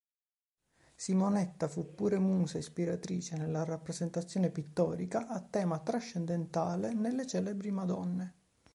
Simonetta fu pure musa ispiratrice nella rappresentazione pittorica a tema trascendentale nelle celebri Madonne.